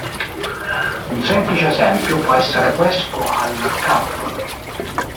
Un semplice esempio può essere questo: al cap.